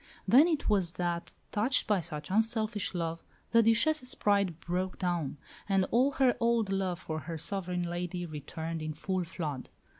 Then it was that, touched by such unselfish love, the Duchesse's pride broke down, and all her old love for her sovereign lady returned in full flood.